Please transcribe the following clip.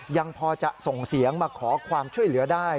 ยังพอจะส่งเสียงมาขอความช่วยเหลือได้